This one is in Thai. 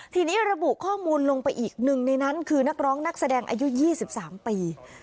ทีนี้ระบุข้อมูลลงไปอีกหนึ่งในนั้นคือนักร้องนักแสดงอายุ๒๓ปี